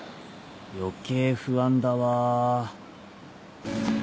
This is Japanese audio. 余計不安だわ。